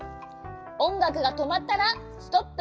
おんがくがとまったらストップ！